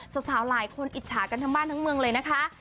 สาวหลายคนอิจฉากันทั้งบ้านทั้งเมืองเลยนะคะ